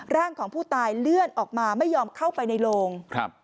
ร่างของผู้ตายเลื่อนออกมาไม่ยอมเข้าไปในโลงครับ